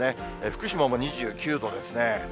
福島も２９度ですね。